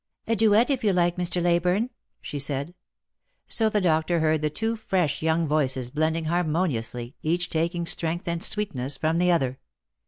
" A duet, if you like, Mr. Leyburne," she said. So the doctor heard the two fresh young voices blending harmoniously, each taking strength and sweetness from the other.